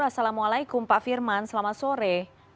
assalamualaikum pak firman selamat sore